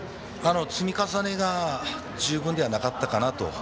積み重ねが十分ではなかったかなと。